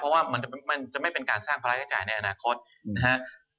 เพราะว่ามันจะไม่เป็นการสร้างภาระใช้จ่ายในอนาคตนะฮะ